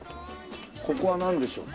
ここはなんでしょうか？